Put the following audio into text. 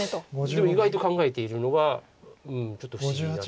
でも意外と考えているのはちょっと不思議なところで。